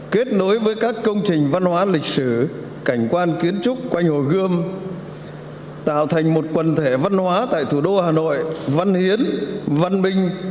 kết nối với các công trình văn hóa lịch sử cảnh quan kiến trúc quanh hồ gươm tạo thành một quần thể văn hóa tại thủ đô hà nội văn hiến văn minh